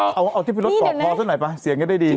เผาใช่ไหมฟะเสียงได้ดี